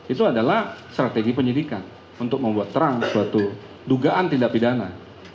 itu adalah strategi penyidikan untuk membuat terang suatu dugaan tindak pidana